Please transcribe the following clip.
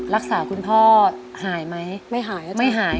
รักษาคุณพ่อหายไหมไม่หายไม่หาย